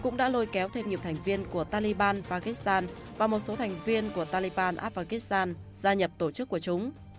các thành viên của taliban ở afghanistan và một số thành viên của taliban ở afghanistan gia nhập tổ chức của chúng